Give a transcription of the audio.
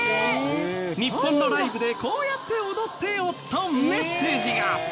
「日本のライブでこうやって踊ってよ」とメッセージが！